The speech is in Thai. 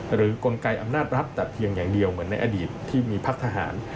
กลไกอำนาจรัฐแต่เพียงอย่างเดียวเหมือนในอดีตที่มีพักทหาร